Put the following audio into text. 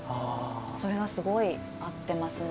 それがすごい合ってますね。